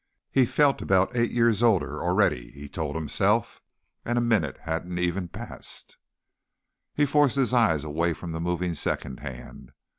He felt about eight years older already, he told himself, and a minute hadn't even passed. He forced his eyes away from the moving second hand.